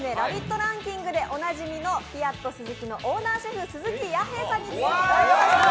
ランキングでおなじみのピアットスズキのオーナーシェフ・鈴木弥平さんに作っていただきます。